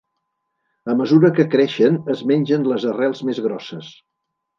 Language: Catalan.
A mesura que creixen es mengen les arrels més grosses.